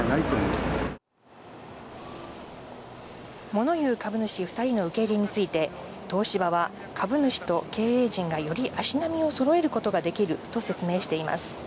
もの言う株主２人の受け入れについて東芝は、株主と経営陣がより足並みをそろえることができると説明しています。